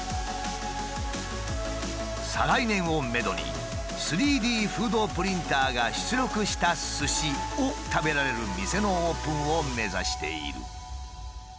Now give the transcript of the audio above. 再来年をめどに３Ｄフードプリンターが出力したすしを食べられる店のオープンを目指している。